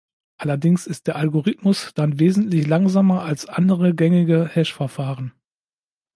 Allerdings ist der Algorithmus dann wesentlich langsamer als andere gängige Hash-Verfahren.